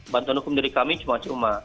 bantuan hukum dari kami cuma cuma